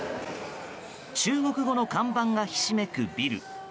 中国語の看板がひしめくビル。